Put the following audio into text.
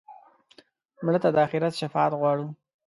مړه ته د آخرت شفاعت غواړو